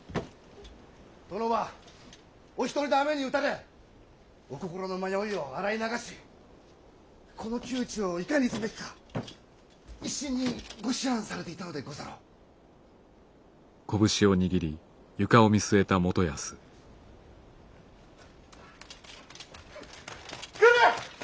殿はお一人で雨に打たれお心の迷いを洗い流しこの窮地をいかにすべきか一心にご思案されていたのでござろう？来る！